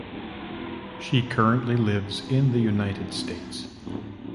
She currently lives in the United States.